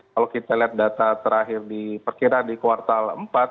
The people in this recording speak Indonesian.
kalau kita lihat data terakhir diperkiraan di kuartal empat